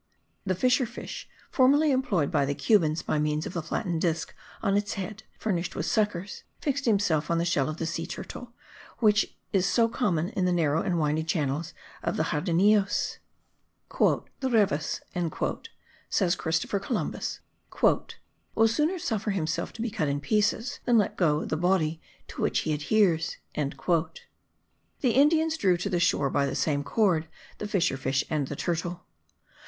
The fisher fish, formerly employed by the Cubans by means of the flattened disc on his head, furnished with suckers, fixed himself on the shell of the sea turtle, which is so common in the narrow and winding channels of the Jardinillos. "The reves," says Christopher Columbus, "will sooner suffer himself to be cut in pieces than let go the body to which he adheres." The Indians drew to the shore by the same cord the fisher fish and the turtle.